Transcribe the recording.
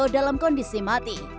radio dalam kondisi mati